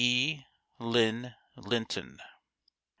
E. LYNN LINTON.